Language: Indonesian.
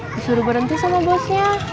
disuruh berhenti sama bosnya